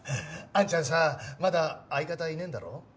あんちゃんさまだ相方いねえんだろ？